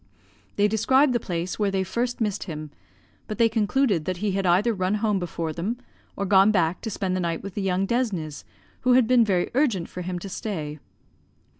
They described the place where they first missed him; but they concluded that he had either run home before them, or gone back to spend the night with the young Desnes, who had been very urgent for him to stay.